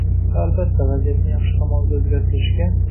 Va albatta, vaziyatni yaxshi tomonga o‘zgartirishga